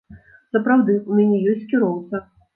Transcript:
Сапраўды, у мяне ёсць кіроўца.